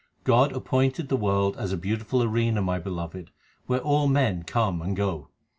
God appointed the world as a beautiful arena, my beloved, where all men come and go.